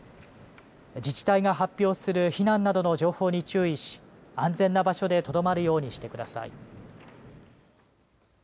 自治体が発表する避難などの情報に注意し安全な場所でとどまるようにしてください。